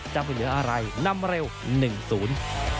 จะไม่เหลืออะไรนำเร็วหนึ่งศูนย์